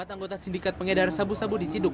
empat anggota sindikat pengedar sabu sabu diciduk